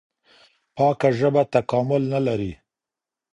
پاکه ژبه تکامل نه لري.